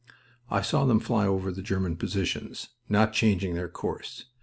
I saw them fly over the German positions, not changing their course.